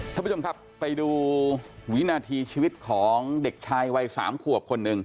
ท่านผู้ชมครับไปดูวินาทีชีวิตของเด็กชายวัย๓ขวบคนหนึ่ง